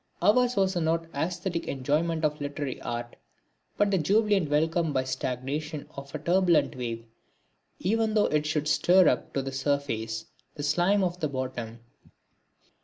Ours was not the æsthetic enjoyment of literary art, but the jubilant welcome by stagnation of a turbulent wave, even though it should stir up to the surface the slime of the bottom.